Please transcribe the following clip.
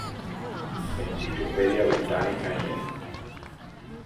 Encyclopædia Britannica, Inc.